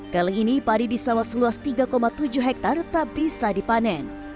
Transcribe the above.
kali ini padi di sawah seluas tiga tujuh hektare tak bisa dipanen